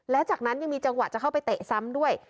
และจากนั้นยังมีจังหวะจะเข้าไปเตะซ้ำด้วย